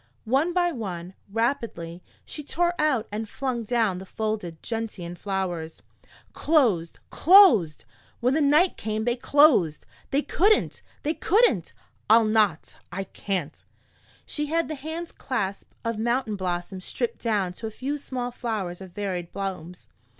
One by one, rapidly, she tore out and flung down the folded gentian flowers. "Closed, closed! When the night came, they closed! They couldn't! They couldn't! I'll not I can't!" She had the hand's clasp of mountain blossoms stripped down to a few small flowers of varied blooms.